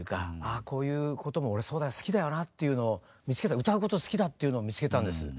あこういうことも俺そうだよ好きだよなっていうのを見つけた歌うこと好きだっていうのを見つけたんです。